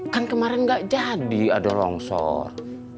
kan kemarin nggak jadi ada longsor